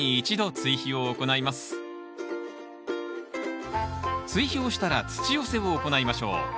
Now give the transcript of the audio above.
追肥をしたら土寄せを行いましょう。